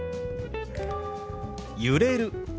「揺れる」。